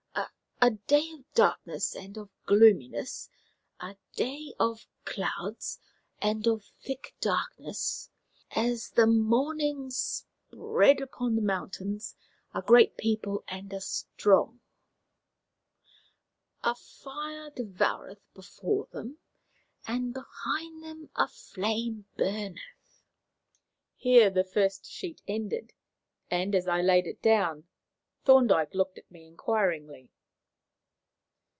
"'A day of darkness and of gloominess, a day of cloud_s_, and of thick darkness, as the morning spread upon the mountain_s_, a great people and a strong. "'A fire devoureth before them, and behind them a flame burneth.'" Here the first sheet ended, and, as I laid it down, Thorndyke looked at me inquiringly.